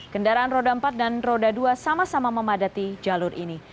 kendaraan roda empat dan roda dua sama sama memadati jalur ini